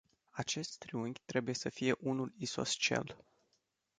Acest triunghi trebuie să fie unul isoscel.